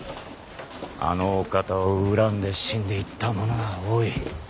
あのお方を恨んで死んでいった者は多い。